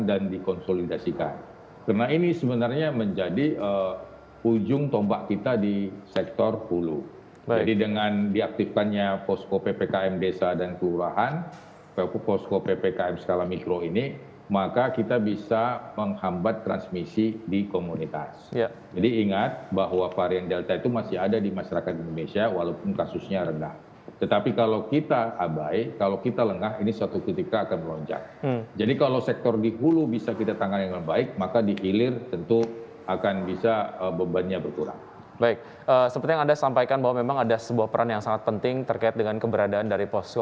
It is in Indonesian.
jadi nanti mereka yang karantina adalah sesuai dengan jumlah harinya berapa dia karantina